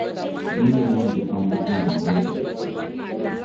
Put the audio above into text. Bɛ ni zaŋ bikpamba ti Naawuni shɛm.